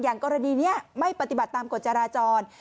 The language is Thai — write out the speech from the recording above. กรณีนี้ไม่ปฏิบัติตามกฎจราจร